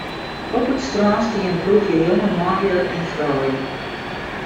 Op it strân siet in ploechje jonge manlju en froulju.